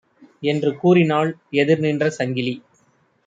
என்று கூறினாள் எதிர் நின்ற சங்கிலி.